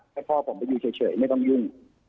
ให้พ่อผมไปอยู่เฉยไม่ต้องยุ่ง